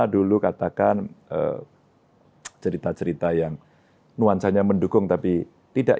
dulu katakan cerita cerita yang nuansanya mendukung tapi tidak